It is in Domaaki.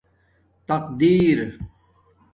تق دیر